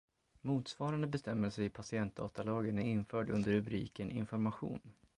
Motsvarande bestämmelse i patientdatalagen är införd under rubriken Information.